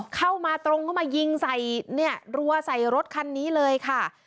เข้ามาตรงก็มายิงใส่รัวใส่รถคันนี้เลยค่ะ